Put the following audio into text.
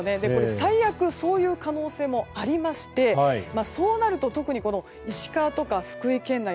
最悪そういう可能性もありましてそうなると特に石川とか福井県内